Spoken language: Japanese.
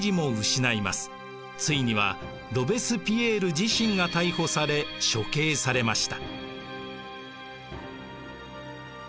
ついにはロベスピエール自身が逮捕され処刑されました。